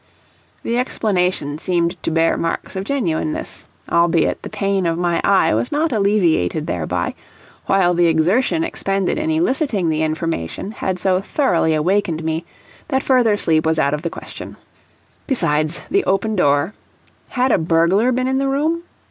The explanation seemed to bear marks of genuineness, albiet the pain of my eye was not alleviated thereby, while the exertion expended in eliciting the information had so thoroughly awakened me that further sleep was out of the question. Besides, the open door, had a burglar been in the room?